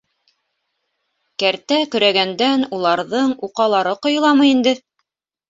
Кәртә көрәгәндән уларҙың уҡалары ҡойоламы инде?